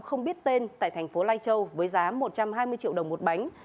không biết tên tại thành phố lai châu với giá một trăm hai mươi triệu đồng một bánh